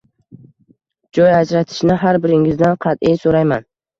Joy ajratishni har biringizdan qatʼiy soʻrayman